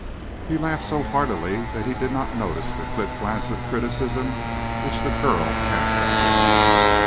He laughed so heartily that he did not notice the quick glance of criticism which the girl cast at him.